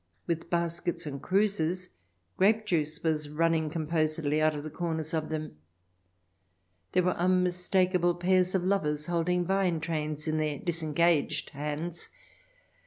— with baskets and cruses; grape juice was running composedly out of the corners of them. There were unmistak able pairs of lovers holding vine trails in their disengaged hands.